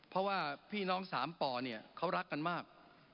เพราะว่าพี่น้องสามป่อเนี่ยเขารักกันมาก